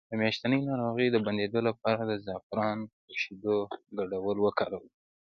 د میاشتنۍ ناروغۍ د بندیدو لپاره د زعفران او شیدو ګډول وکاروئ